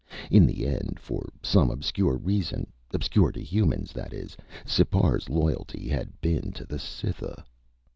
In the end, for some obscure reason obscure to humans, that is Sipar's loyalty had been to the Cytha.